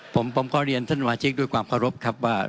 ผมก็เรียนท่านวาชิกด้วยความเคารพครับว่า